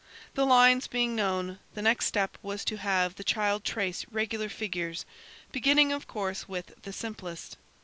The lines being known, the next step was to have the child trace regular figures, beginning of course, with the simplest.